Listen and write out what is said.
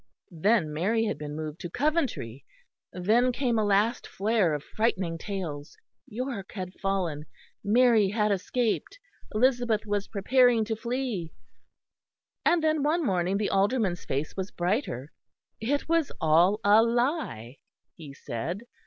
Then Mary had been moved to Coventry; then came a last flare of frightening tales: York had fallen; Mary had escaped; Elizabeth was preparing to flee. And then one morning the Alderman's face was brighter: it was all a lie, he said.